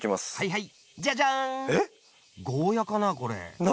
はい。